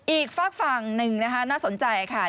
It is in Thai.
อีกฝากฝั่งหนึ่งนะคะน่าสนใจค่ะ